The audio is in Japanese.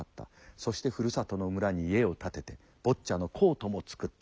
そしてふるさとの村に家を建ててボッチャのコートも作った。